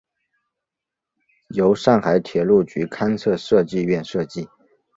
由上海铁路局勘测设计院设计。